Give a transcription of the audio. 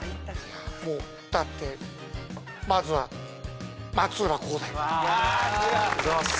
もうだってまずは松浦航大君おはようございます